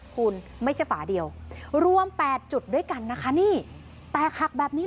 คุณไม่ใช่ฝาเดียวรวม๘จุดด้วยกันนะคะนี่แตกหักแบบนี้